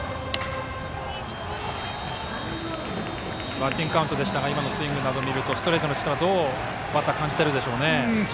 バッティングカウントでしたが今のスイングを見るとストレートの力、どうバッターは感じているでしょう。